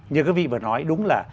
như các vị vừa nói đúng là